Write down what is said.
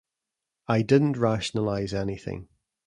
I didn't rationalize anything.